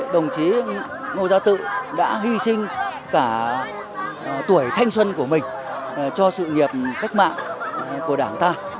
đồng chí ngô gia tự đã hy sinh cả tuổi thanh xuân của mình cho sự nghiệp cách mạng